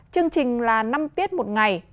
chương trình là năm tiết một ngày